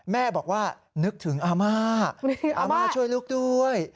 แม่บอกว่านึกถึงอาม่าอาม่าช่วยลูกด้วย